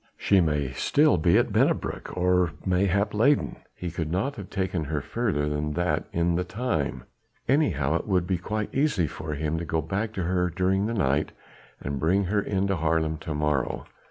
"She may be still at Bennebrock, or mayhap at Leyden he could not have taken her further than that in the time. Anyhow it would be quite easy for him to go back to her during the night, and bring her into Haarlem to morrow.